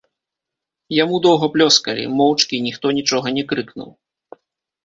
Яму доўга плёскалі, моўчкі, ніхто нічога не крыкнуў.